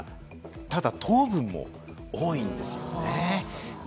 ただ糖分も多いんですよね。